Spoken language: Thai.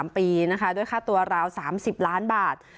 ๓ปีด้วยค่าตัวเรา๓๐ล้านบาท